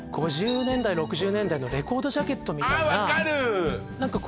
５０年代６０年代のレコードジャケットみたいなあっ分かる！